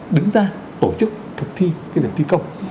đứng ra tổ chức thực thi cái việc thi công